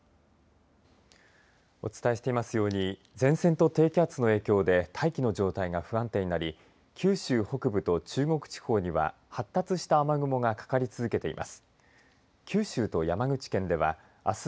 お伝えしていますように前線と低気圧の影響で大気の状態が不安定になり九州北部と中国地方には発達した雨雲がかかり続けています。